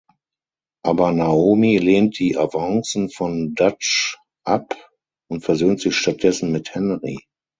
Aber Naomi lehnt die Avancen von Dutch ab und versöhnt sich stattdessen mit Henry.